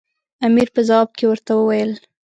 امیر په ځواب کې ورته وویل.